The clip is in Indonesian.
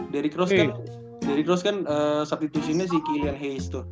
dairy cross kan dairy cross kan substitusinya si kylian hayes tuh